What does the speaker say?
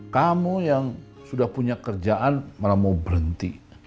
kamu yang sudah punya kerjaan malah mau berhenti